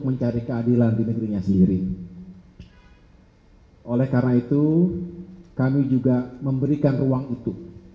mencari keadilan di negerinya sendiri oleh karena itu kami juga memberikan ruang itu